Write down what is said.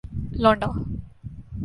لونڈا